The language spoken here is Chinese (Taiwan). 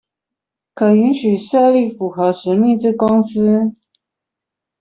可允許設立符合使命之公司